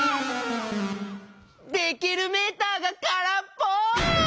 できるメーターがからっぽ！